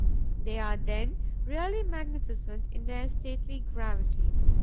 They are then really magnificent in their stately gravity.